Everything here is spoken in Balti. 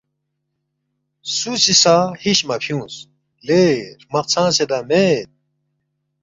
سُو سی سہ ہِش مہ فیُونگس، ”لے ہرمق ژھنگسیدا مید؟“